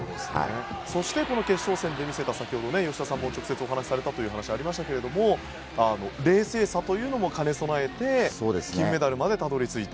そして決勝戦で見せた吉田さんも直接お話しされたというのもありましたが冷静さを兼ね備えて金メダルまでたどり着いた。